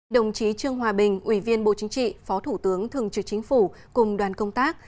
đồng chí trương hòa bình ủy viên bộ chính trị phó thủ tướng thường trực chính phủ cùng đoàn công tác